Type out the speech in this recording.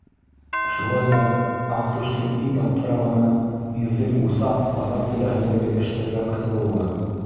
Шулай ҙа Аҡтүштең иң аптырағаны - ирҙең усаҡ-ҡаҙан тирәһендәге эштәргә ҡыҫылыуы.